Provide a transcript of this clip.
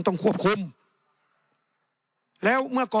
ในทางปฏิบัติมันไม่ได้